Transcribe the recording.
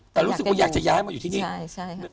แต่รู้สึกว่าอยากจะย้ายมาอยู่ที่นี่ใช่ใช่